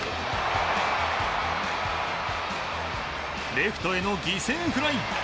レフトへの犠牲フライ。